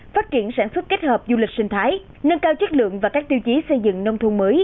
phát triển sản xuất kết hợp du lịch sinh thái nâng cao chất lượng và các tiêu chí xây dựng nông thôn mới